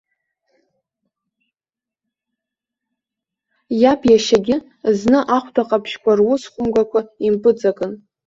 Иаб иашьагьы зны ахәдаҟаԥшьқәа рус хәымгақәа импыҵакын.